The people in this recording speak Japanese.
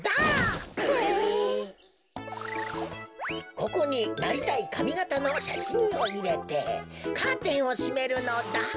ここになりたいかみがたのしゃしんをいれてカーテンをしめるのだ。